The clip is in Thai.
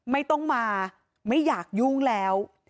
ไม่ต้องมาไม่อยากยุ่งแล้ว